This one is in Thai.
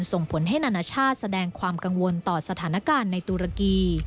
ส่งผลให้นานาชาติแสดงความกังวลต่อสถานการณ์ในตุรกี